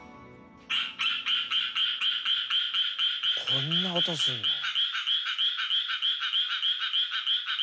こんな音すんの？